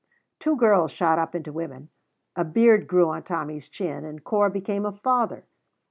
Two girls shot up into women, a beard grew on Tommy's chin, and Corp became a father.